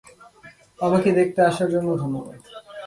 আমাকে দেখতে আসার জন্য ধন্যবাদ।